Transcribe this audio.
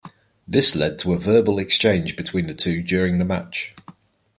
This led to a verbal exchange between the two during the match.